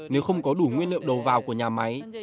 nếu không có đủ nguyên liệu đầu vào của nhà máy